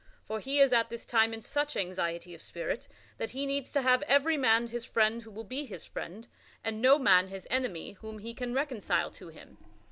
For he is at this time in such anxiety of spirit that he needs to have every man his friend who will be his friend, and no man his enemy whom he can reconcile to him.